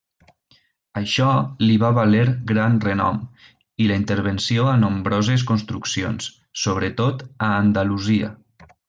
Això li va valer gran renom i la intervenció a nombroses construccions, sobretot a Andalusia.